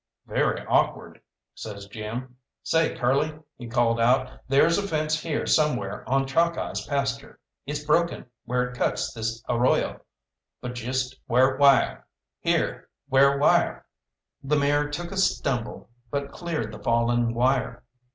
"Very awkward," says Jim. "Say, Curly," he called out, "there's a fence here somewhere on Chalkeye's pasture. It's broken where it cuts this arroyo, but just 'ware wire! Here! 'Ware wire!" The mare took a stumble, but cleared the fallen wire.